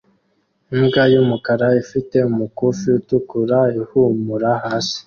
Imbwa yumukara ifite umukufi utukura ihumura hasi